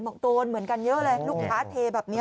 บอกโดนเหมือนกันเยอะเลยลูกค้าเทแบบนี้